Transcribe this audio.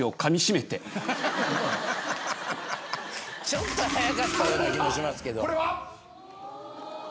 ちょっと早かったような気もしますけど。